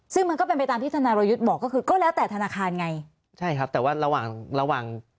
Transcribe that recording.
ซึ่งมันก็เป็นไปตามที่ธนารยุทธ์บอกก็คือก็แล้วแต่ธนาคารไงใช่ครับแต่ว่าระหว่างระหว่าง